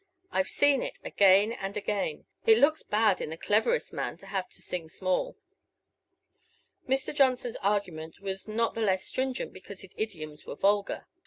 I've seen it again and again; it looks bad in the cleverest man to have to sing small." Mr. Johnson's argument was not the less stringent because his idioms were vulgar.